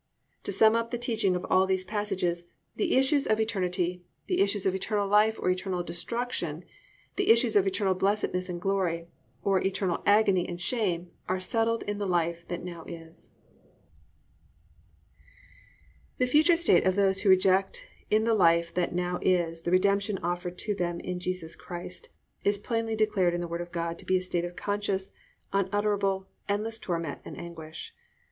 To sum up the teaching of all these passages, the issues of eternity, the issues of eternal life or eternal destruction, the issues of eternal blessedness and glory, or eternal agony and shame, are settled in the life that now is. IV. CONCLUSION The future state of those who reject in the life that now is the redemption offered to them in Christ Jesus is plainly declared in the Word of God to be a state of conscious, unutterable, endless torment and anguish.